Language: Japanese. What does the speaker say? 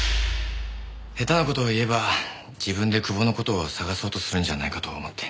下手な事を言えば自分で久保の事を捜そうとするんじゃないかと思って。